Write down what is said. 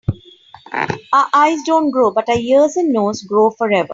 Our eyes don‘t grow, but our ears and nose grow forever.